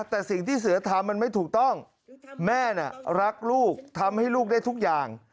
แต่สิ่งที่เสือทำมันไม่ถูกต้องแม่น่ะรักลูกทำให้ลูกได้ทุกอย่าง